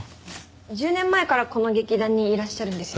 １０年前からこの劇団にいらっしゃるんですよね？